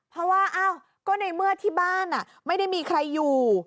เพราะว่าก็ในเมื่อที่บ้านไม่ได้มีใครอยู่